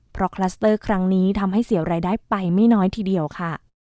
เพราะคลัสเตอร์ครั้งนี้ทำให้เสียรายได้ไปไม่น้อยทีเดียวค่ะ